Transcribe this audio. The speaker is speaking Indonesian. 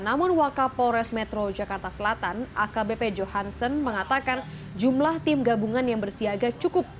namun wakapolres metro jakarta selatan akbp johansen mengatakan jumlah tim gabungan yang bersiaga cukup